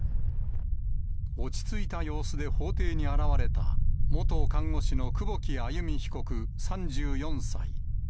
落ち着いた様子で法廷に現れた、元看護師の久保木愛弓被告３４歳。